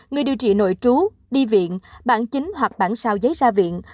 người điều trị nội trú đi viện bản chính hoặc bản sao giấy ra viện